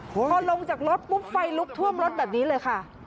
พอลงจากรถปุ๊บไฟลุกท่วมรถแบบนี้เลยค่ะ